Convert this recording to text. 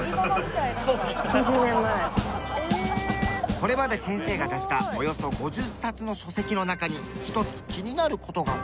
これまで先生が出したおよそ５０冊の書籍の中に１つ気になる事が！